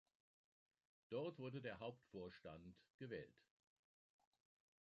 Dort wurde der Hauptvorstand gewählt.